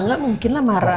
gak mungkin lah marah